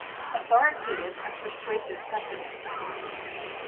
Authoritative and Persuasive Precedents.